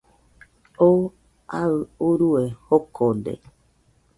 Oo aɨ urue jokode